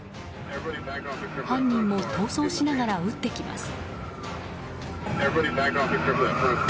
犯人も逃走しながら撃ってきます。